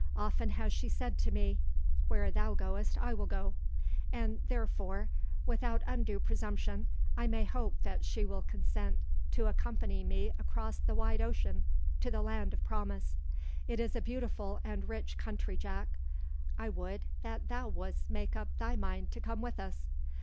Often has she said to me, `Where thou goest I will go,' and therefore, without undue presumption, I may hope that she will consent to accompany me across the wide ocean to the land of promise. It is a beautiful and rich country, Jack; I would that thou wouldst make up thy mind to come with us!